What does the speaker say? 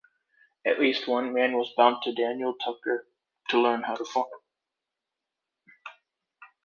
At least one man was bound to Daniel Tucker to learn how to farm.